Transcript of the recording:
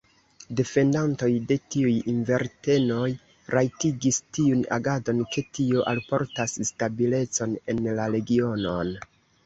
Defendantoj de tiuj intervenoj rajtigis tiun agadon, ke tio alportas stabilecon en la regionon.